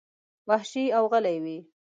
وحشي او غلي وې.